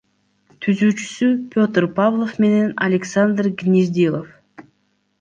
Түзүүчүсү — Петр Павлов менен Александр Гнездилов.